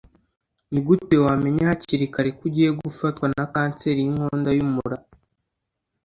Ni gute wamenya hakiri kare ko ugiye gufatwa na kanseri y'inkondo y'umura?